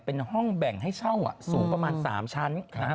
เป็นห้องแบ่งให้เช่าสูงประมาณ๓ชั้น